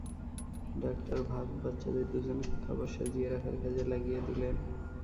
ডাঃ ভাক বাচ্চাদের দুজনকে খাবার সাজিয়ে রাখার কাজে লাগিয়ে দিলেন।